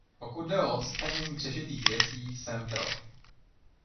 Pokud jde o odstranění přežitých věcí, jsem pro.